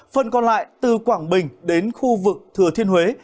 phần còn lại từ quảng bình đến khu vực thừa thiên huế